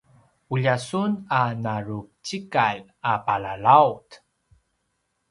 ulja sun a narucikal a palalaut